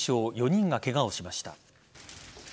４人がケガをしました。